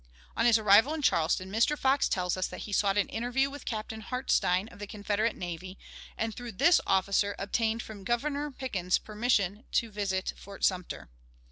On his arrival in Charleston, Mr. Fox tells us that he sought an interview with Captain Hartstein, of the Confederate Navy, and through this officer obtained from Governor Pickens permission to visit Fort Sumter.